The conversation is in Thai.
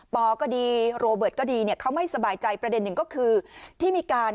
ปก็ดีโรเบิร์ตก็ดีเนี่ยเขาไม่สบายใจประเด็นหนึ่งก็คือที่มีการ